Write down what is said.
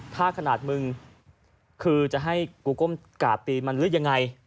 ถ้าขนาดมึงคือจะให้กูก้มกราบตีมันหรือยังไง